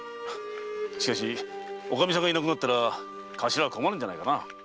しかしおかみさんがいなくなったら頭は困るんじゃないかな。